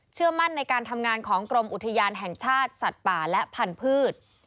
เชื่อมั่นในการทำงานของกรมอุทยานแห่งชาติสัตว์ป่าและพันธุ์